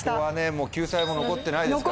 もう救済も残ってないですからね。